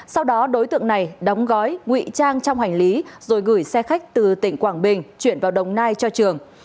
sau đó đối tượng này đóng gói nguy trang trong hành lý rồi gửi xe khách từ tỉnh quảng bình chuyển vào đồng nai cho trường